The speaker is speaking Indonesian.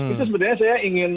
itu sebenarnya saya ingin